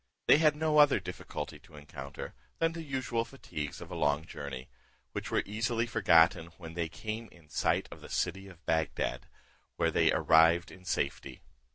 They had no other difficulty to encounter, than the usual fatigues of a long journey, which were easily forgotten when they came in sight of the city of Bagdad, where they arrived in safety.